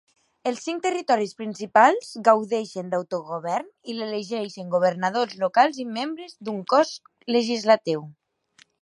Els cinc territoris principals gaudeixen d'autogovern i elegeixen governadors locals i membres d'un cos legislatiu.